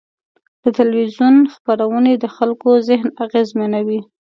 د تلویزیون خپرونې د خلکو ذهن اغېزمنوي.